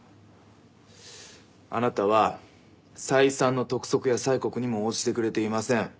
あなたは再三の督促や催告にも応じてくれていません。